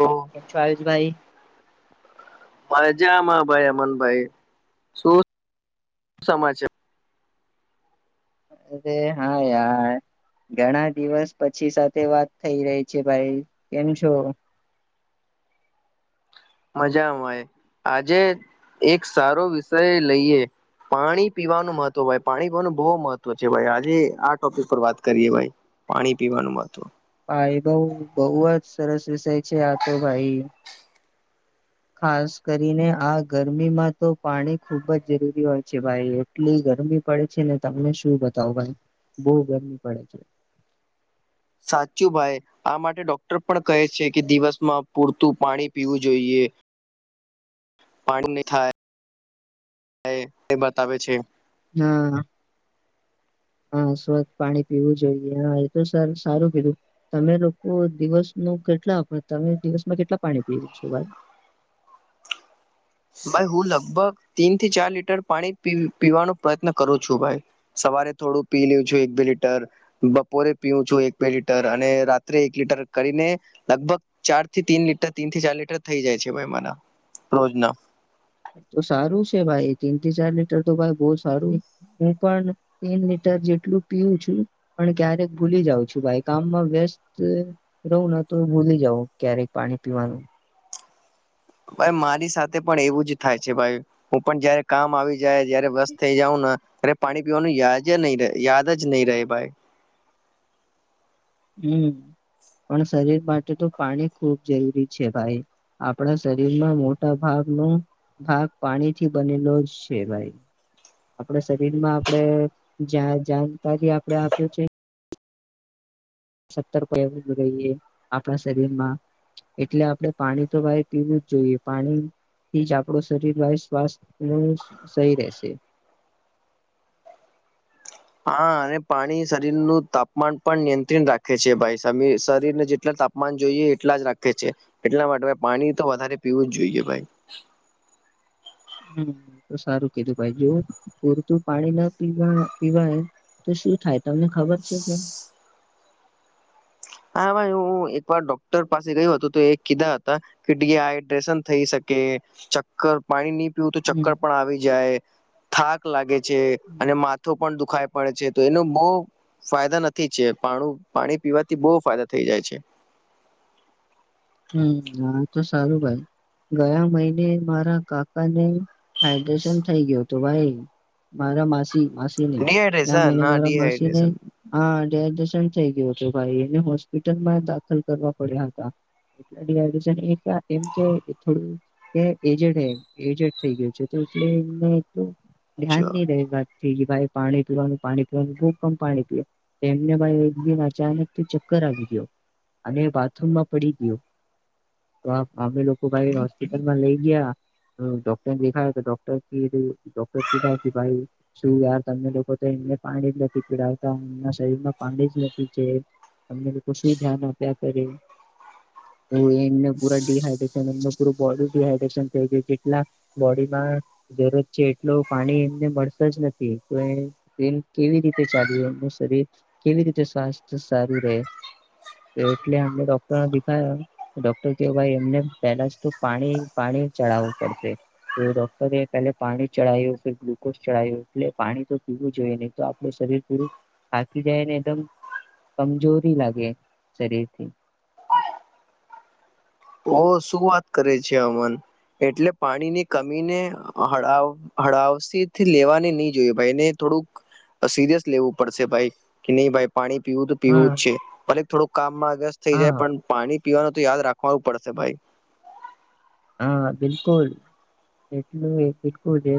તો કેમ છો આયુષભાઈ મજામાં ભાઈ અમન ભાઈ શું સમાચાર અરે હા યાર ઘણા દિવસ પછી સાથે વાત થઈ રહી છે ભાઈ કેમ છો મજામાંય આજે એક સારો વિષય લઈએ પાણી પીવાનું મહત્વ ભાઈ પાણી પીવાનું બહુ મહત્વ છે ભાઈ આજે આ ટોપિક પર વાત કરીએ ભાઈ પાણી પીવાનું મહત્વ ભાઈ બઉ બહુ જ સરસ વિષય છે આ તો ભાઈ ખાસ કરીને આ ગરમીમાં તો પાણી ખુબ જ જરૂરી હોય છે ભાઈ એટલી ગરમી પડે છે ને તમને શું બતાવો ભાઈ બઉ ગરમી પડે છે સાચું ભાઈ આ માટે ડોક્ટર પણ કહે છે કે દિવસમાં પૂરતું પાણી પીવું જોઈએ [inaudible] પાણી ને થાય થાય એ બતાવે છે હા હા સ્વસ્થ પાણી પીવું જોઈએ હા એ તો સર સારું કીધું તમે લોકો દિવસ નો કેટલા વખત તમે દિવસમાં કેટલા પાણી પીવો છો ભાઈ ભાઈ હું લગભગ તીન થી ચાર લીટર પાણી પી પીવાનો પ્રયત્ન કરું છું ભાઈ સવા રે થોડું પી લું છું એક બે લીટર બપોરે પીવું છું એક બે લીટર અને રાત્રે એક લીટર કરીને લગભગ ચાર થી તીન લીટર તીન થી ચાર લીટર થઈ જાય છે ભાઈ મને રોજ ના તો સારું છે ભાઈ તીન થી ચાર લીટર તો ભાઈ બહુ સારું હું પણ તીન લીટર જેટલું પીવું છું પણ ક્યારેક ભૂલી જાઉં છું ભાઈ કામમાં વ્યસ્ત રહું ન તો ભૂલી જાવ ક્યારેક પાણી પીવાનું ભાઈ મારી સાથે પણ એવું જ થાય છે ભાઈ હું પણ જયારે કામ આવી જાય જયારે વ્યસ્ત થઇ જાઉં ને અરે પાણી પીવાનું યાજ નહી રે યાદ જ નહી રહે ભાઈ હમ્મ પણ શરીર માટે તો પાણી ખૂબ જરૂરી છે ભાઈ આપણા શરીરમાં મોટા ભાગનો ભાગ પાણીથી બનેલો છે ભાઈ આપણા શરીરમાં આપણેે જા જાણકારી આપણેે આપ્યો છે. સત્તર પ્રયોગ રહીએ આપણા શરીરમાં એટલે આપણેે પાણી તો ભાઈ પીવું જ જોઈએ પાણી થી જ આપણુ શરીર ભાઈ સ્વાસ્થ્યનુ સહી રહેશે [inaudible] હા અને પાણી શરીરનું તાપમાન પણ નિયંત્રણ રાખે છે ભાઈ શમી શરીરને જેટલા તાપમા માન જોઈએ એટલા જ રાખે છે, એટલા માટે પાણી તો વધારે પીવું જ જોઈએ ભાઈ [inaudible] હમ એ તો સારું કીધું ભાઈ જો પૂરતું પાણી ના પીવા પીવાય તો શું થાય તમને ખબર છે કે હા ભાઈ હું એકવાર ડોક્ટર પાસે ગયો હતો તો એ કીધા હતા કે ડી હાડ્રેશન થઈ શકે ચક્કર પાણીની થયુ તો હમ ચક્કર પણ આવી જાય, થાક લાગે છે, અને માથું પણ દુખાય, પડે છે તો એનો બોવ ફાયદા નથી છે પાણુ પાણી પીવા થી બોવ ફાયદા થઈ જાય છે. હમ હા તો સારું ભાઈ ગયા મહિને મારા કાકાને હાઈડ્રેશન થઈ ગયું હતું ભાઈ મારા માસી માસીને ક્યા ડિહાઈડ્રેશન મહિને હા મારા માસી ને ડિહાઈડ્રેશન હા થઈ ગયુ હતુ ભાઈ એને હોસ્પિટલમાં દાખલ કરવા પડ્યા હતા [unintelligible] એમ કે થોડું એજટ હે એજટ થઈ ગયું છે. એટલે એને તો ધ્યાન અચ્છા ની રહે પા થી કે ભાઈ પાણી પીવાનું પાણી પીવાનું ખૂબ પણ પાણી પીવા એમને ભાઈ એક દિન અચાનકથી ચક કર આવી ગયો અને બાથરૂમમાં પડી ગયો તો અમે લોકો ભાઈ હોસ્પિટલમાં લઈ ગયા ડોક્ટરને દેખાય તો ડોક્ટર કીધું ડોક્ટર કીધા કે ભાઈ શું યાર તમને લોકો તો એને પાણી જ નથી પીડાવતા એમના શરીરમાં પાણી જ નથી તમને લોકો શું ધ્યાન આપ્યા કરે તો એમને પૂરા ડીહાઈડ્રેશન એમ પૂરી બોડી ડડીહાઈડ્રેશન થઈ ગય કેટલાક બોડીમાં જરૂરત છે એટલુ પાણી એમને મળતા જ નથી તો એ એમ કેવી રીતે ચાલીરે એનુ શરીર કેવી રીતે સ્વાસ્થ્ય સારું રહે એટલેને ડોક્ટર ડોક્ટર તેઓ ભાઈ એમને પેલા જ તો પાણી પાણી ચડાવવું પડશે તો ડોક્ટરે કહે પેલે પાણી ચડાવયું ગ્લુકોઝ ચડાવયું એટલે પાણી તો પીવું જોઈએ નહી તો આપડુ શરીર પરુ થાકી જાય ને એકદમ કમજોરી લાગે શરીરથી ઓ શું વાત કરે છે અમન એટલે પાણીની કમી ને હળાવ હળાવસીથી લેવાની ની જોયે ભાઈને તો થોડુંક સિરિયસ લેવું પડશે ભાઈ કે નહી ભાઈ પાણી પીવું તો પીવું હા જ છે, ભલે થોડુંક કામમાં વ્યસ્ત થઈ જાય હા પણ પાણી પીવાનું તો યાદ રાખ હોવું પડશે ભાઈ હા બિલકુલ એટલું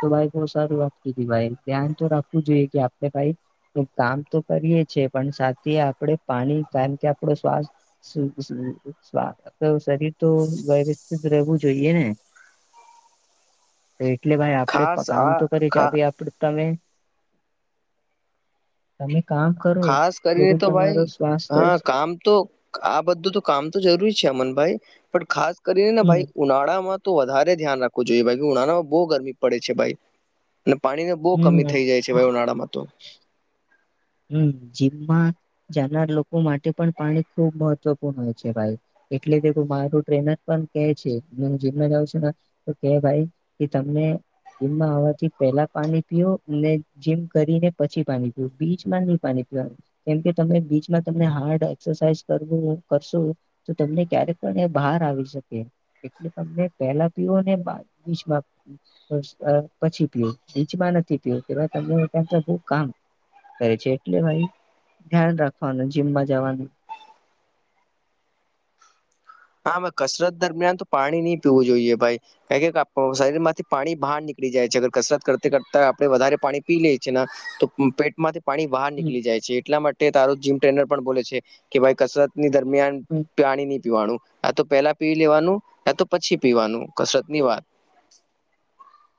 તો ભાઈ બો સારી વાત કીધી ભાઈ ધ્યાન તો રાખવું જોઈએ કે આપણે ભાઈ તો કામ તો કરીએ છે, પણ સાથે આપડે પાણી કારણ કે આપડો શ્વાસ [unintelligible] શ્રવા તો શરીર તો ભયભીત રહેવું જોઈએ ને એટલે ભાઈ આપડે ખાસ પ આ કામ તો કરે છે, ખા ભાઈ આપડે તમે તમે. કામ કરો ખાસ કરીને લેકિન તો ભાઈ તમારો સ્વાસ્થ્ય હા જ કામ તો આ બધું તો કામ તો જરૂરી છે અમન ભાઈ પણ ખાસ કરીને ને હમ ભાઈ ઉનાળામાં તો વધારે ધ્યાન રાખવું જોઈએ ભાઈ ઉનાળમાં બો ગરમી પડે છે ભાઈ અને પાણીને બહુ કમી હમ થઈ જાય છે વાયુનાળામાં તો હમ જીમમાં જનાર લોકો માટે પણ પાણી ખુબ મહત્વપૂર્ણ હોય છે ભાઈ એટલે મારું ટ્રેનર પણ કે છે હું જેમ જાઉં છું તો કે ભાઈ કે તમને જીમમાં આવવાથી પેલા પાણી પીવ અને જીમ કરીને પછી પાણી પીવું બીચમાં નહી પાણી પીવાનું કેમકે તમે બીચમાં તમને હાર્ડ એક્સરસાઇઝ કરવું કરશો તો તમને ક્યારેક પણ એ બહાર આવી શકે એટલે તમને પેલા પીઓ ને પછી પીયો નીચમાં નથી પીયો તેવા તમને તો બહ કામ કરે છે એટલે ભાઈ ધ્યાન રાખવાનું જીમમાં જવાનું [inaudible] હા કસરત દરમિયાન તો પાણી નહી પીવું જોઈએ ભાઈ ક શરીર માંથી પાણી બહાર નીકળી જ છેર કસરત કરતા કરતા આપણેે વધારે પાણી પી લઈ છીએ ને તો પેટમાંથી પાણી બહાર હમ નીકળી જાય છે એટલા માટે તારો જીમ ટ્રેનર પણ બોલે છે કે ભાઈ કસરત ની દરમિયાન હમ. પાણી નહી પીવાનું આ તો પેલા પી લેવાનું તો પછી પીવાનું કસરત ની વાત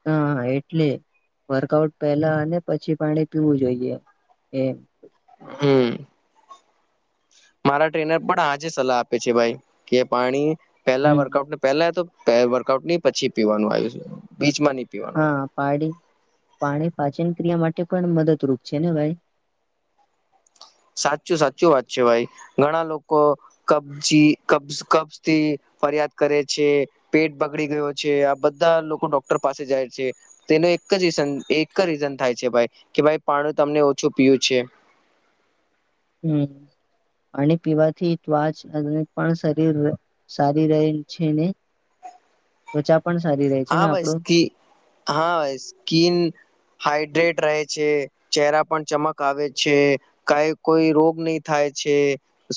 હા એટલે વર્કઆઉટ પેલા અને પછી પાણી પીવું જોઈએ હમ હમ મારા ટ્રેનર પણ આજે સલાહ આપે છે ભાઈ કે પાણી પેલા હમ વર્કઆઉટ પેલા તો વર્કઆઉટ ન પછી પીવાનું આવ્યું છે બી હા પાડી પાણી પાાચીન કિયા માટે પણ મદદરૂપ છે ને ભાઈ સાચું સાચું વાત છે ભાઈ ઘણા લોકો કબજી કબ કબ થી ફરિયાદ કરે છે પેટ બગડી ગયો છે આ બધા લોકો ડોક્ટર પાસે જાય છે તેને એક જ ર એક રીઝન થાય છે ભ કે ભાઈ પાણું તમને ઓછું પીયું છે હમ પાણી પીવાથી ત્વાચ પણ શરીર સારી રહે છે ને તો ચા હા ભાઈ સ્કી હા ભાઈ સ્કીન હાાઈડ્રેટ રહે છે ચરા પણ ચમક આવે છે કઈ કોઈ રોગ નહી થાય છે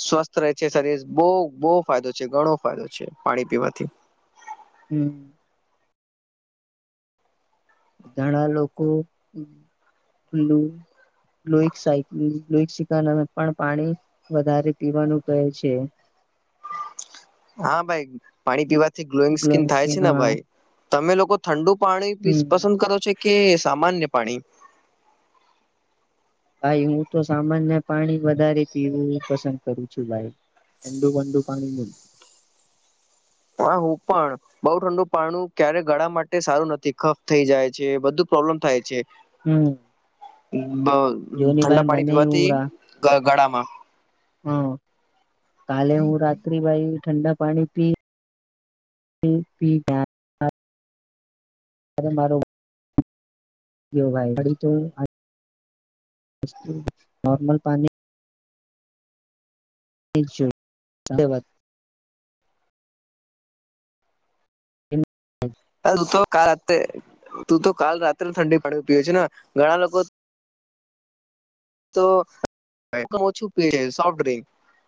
સ્વસ્થ રહે છે શરીર બહ બહુ ફાયદો છે ઘણો ફાયદો છે પાણી પીવાથી હમ ઘણા લોકોલું લોના પણ પાણી વધારે પીવાનું કહે છે [inaudible] હા ભાઈ પાણી પીવા ગ્લોઈંગ ગ્લો સ્કીિન થાય સ્કીન છે ને હા ભાઈ તમે લોકો ઠંડુ પાણીી હમ પસંદ કરો છો કે સામાન્ય પાણી ભાઈ હું તો સામાન્ય પાણી વધારે પીવું પસંદ કરું છું ભાઈ કંદું બંદું પાણી મુૂલ હા હું પણ બઉુ ઠંડુ પાણું ક્યારે ગળા માટે સારું નથી ખફ થઈ જાય છે બધું પ્રોબ્લેમ થાય છે હમ જોની ઠંડા ભાઈ પાણી મને પીવાથી ગળામાં હા કાલે હું રાત્રિ ભાઈ ઠંડા પાણી પી હ પી જા અ્યારે મારોું ગ તો નર્મલ પાણી છે ધન્યવાદ એ આ તું તો કે તું તો કાલ રાત્રે ઠંડી પાડીવી પીયો છેને ઘણા લોકો તો ઓછું પ સોફ્ટ ડ્રિંક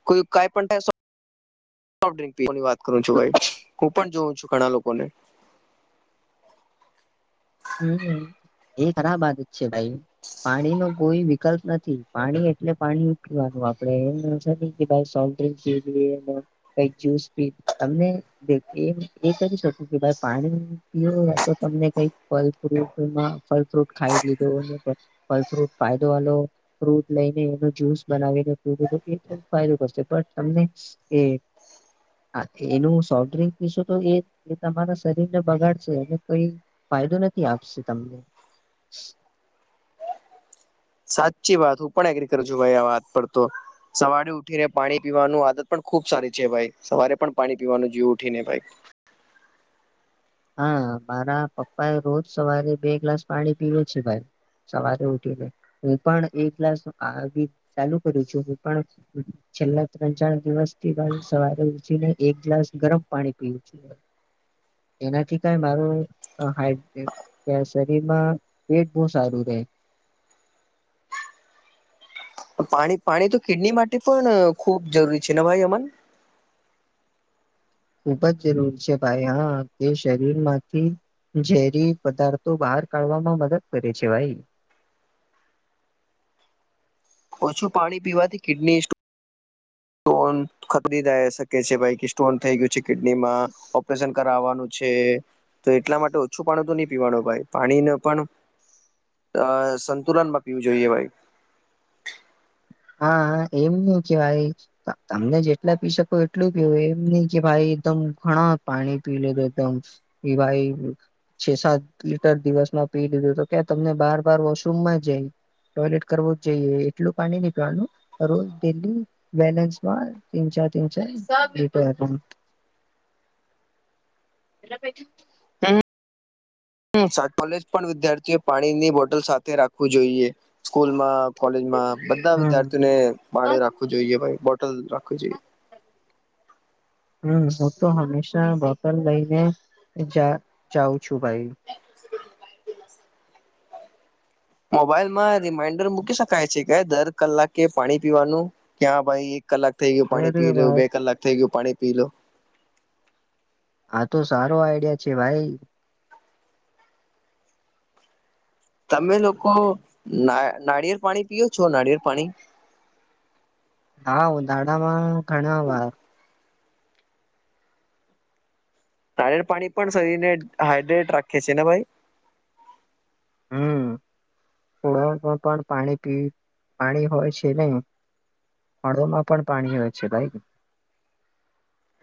કોઈ કઈ પણ થાય સોફ ડ્રકની વાત કરું છું, ભાઈ હું પણ જોઉં છું ઘણા લોકોને હમ્મ એ ખરાબ વાત જ છે ભાઈ. પાણી નો કોઈ વિકલ્પ નથી પાણી એટલે પાણી ઉવાનું આપડે એમ છે, કે ભાઈ જુસ ત કરી શ પાણી પીવું તો તમને કઈક ફલ ફ્રટમાં ફલ ફ્રૂટ ખાઈ લીધો ફલ ફ્રૂટ ફાયદો વાો ફ્રૂટ લઈ જુસ બનાવીને એ થોડ ફાયદો કરશે પણ તમને હા, એનું સોફ્ટ ડ્રિંક પીશું તો એ તમારા શરીર ને બગાડશે એને કઈ- ફાયદો નથી આપશે, તમને સાચી વાત હું પણ એગ્રી કરું છું, ભાઈ આ વાત પર તો સવારે ઉઠીને પાણી પીવાનું આદત પણ ખુબ સારી છે, ભાઈ સવારે પણ પાણી પીવાનું જીવ ઉઠીને ભાઈ [unintelligible] હા, મારા પપ્પા એ રોજ સવારે બે ગ્લાસ પાણી પીવે છે ભાઈ સવારે ઉઠી લે હું પણ એ ક્લાસ આવી ચાલુ કરું છું, હું પણ છેલ્લા ત્રણ ચાર દિવસ થી વાલું સવારે ઉઠીને એક ગ્લાસ ગરમ પાણી પીવું છે. એનાથી કઈ મારું હાઈ ત શરીરમાં પેટ બહુ સારું રહે [unintelligible] પાણી પાણી તો કિડની માટે પણ ખૂબ જરૂરી છે, ને ભાઈ અમન? ખૂબ જ જરૂરી છે ભાઈ હા તે શરીર માંથી ઝેરી પદાર્થો બહાર કાઢવામાં મદદ કરે છે ભાઈ. [unintelligible] ઓછું પાણી પીવાથી કિડની સ્ટોન સોન ખદાય શકે છે ભ સ્ટોન થઈ ગયું છે, કિડની માં ઓપરેશન વાનું છે તો એટલા માટે ઓછું પાણી તો નહી પીવાનું ભાઈ પાણીને પણ અ સંતુલનમાં પીવું જોઈએ ભાઈ, હા, એમ નહી કે ભાઈ તમને જેટલા પી શકો એટલું પીવું એમ નઈ કે ભાઈ એકદમ ઘણા પાણી પી લે તો એકદમ એ ભાઈ છે સાત લીટર દિવસમાં પી દીધું તો ક્યાં તમને બાર બાર વોશરૂમમાં જાય ટોયલેટ કરવું જઈએ, એટલું પાણી ન રોજ ડલી બેલેન્સ માં તન ચારન ચાર રીટ [unintelligible] કોલેજ પણ વિદ્યાર્થીઓ પાણીની બોટલ સાથે રાખવું જોઈએ, સ્કૂલમાં કોલેજમાં બધા હમ વિદ્યાર્થીઓને બાળ રાખવું જોઈએ, ભ હમ્મ હ તો હંમેશા બોટલ લઈને જાઉં છું ભાઈ. [unintelligible] મોબાઈલમાં રિમાઈન્ડર મૂકી શકાય છે? કે દર કલાકે પાણી પીવાનું ક્યાં ભાઈ, એક કલાક થઈ ગયું પાણી અરે પીલું ભાઈ બે કલાક થઈ ગયું પાણી પીલું હા, તો સારો આઈડિયા છે ભાઈ તમે લોકો ના નારિયેળ પાણી પીઓ છો? નારિયેળ પાણી [inaudible] હા દાડામાં ઘણા વા પાણી પણ શરીરને હાઈડ્રેટ રાખે છે, ને ભાઈ? હમ્મ ળમાં પણ પાણી પી પાણી હોય છે નહી, ફળોમાં પણ પાણી હોય છે ભાઈ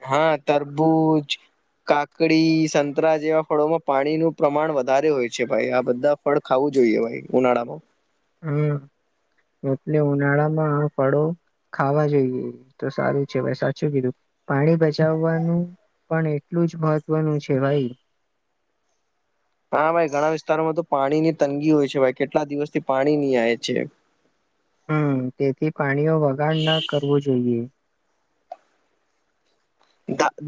હા, તરબૂજ કાકડી સંતરા જેવા ફળોમાં પાણીનુ પ્રમાણ વધારે હોય છે, ભાઈ આ બધા ફળ ખાવું જોઈએ ભાઈ ઉનાળામાં હમ એટલે ઉનાળા માં ફળો ખાવા જોઈએ તો સારું છે સાચું કીધું પાણી બચાવવાનું પણ એટલું જ મહત્વનું છે ભાઈ હા ભાઈ ઘણા વિસ્તારોમાં તો પાણી ની તંગી હોય છે ભાઈ કેટલા દિવસથી પાણી નહી આવે છે હમ તેથી પાણીઓ વગાડ ના કરવું જોઈએ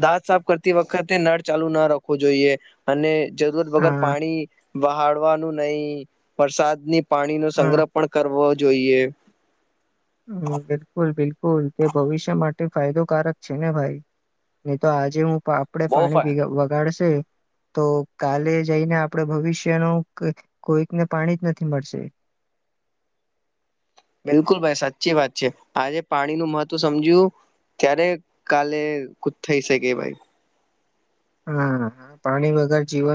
દાંત સાફ કરતી વખતે નળ ચાલુ ના રાખવું જોઈએ અને જરૂરત વગર હા પાણી વહાળવાનું નહી વરસાદની પાણી નો હા સંગ્રહ પણ કરવો જોઈએ હમ બિલકુલ બિલકુલ તે ભવિષ્ય માટે ફાયદોકારક છે ને ભાઈ નહી તો આજે હું આપડે બહુ પાણી ફાય વગાડશે તો કાલે જઈને આપડ ભવિષ્યનું કોઈકને પાણી જ નથી મળશે [inaudible] બિલકુલ ભાઈ સાચી વાત છે આજે પાણી નું મહત્વ સમજ્યું ત્યારે કાલે કુ થઈ શકે ભાઈ હા પાણી વગર જીવન